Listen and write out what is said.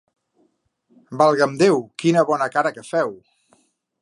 Valga'm Déu, quina bona cara que feu!